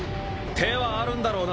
手はあるんだろうな？